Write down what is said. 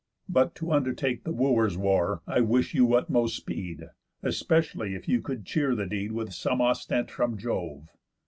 But, to undertake The Wooers' war, I wish your utmost speed, Especially if you could cheer the deed With some ostent from Jove."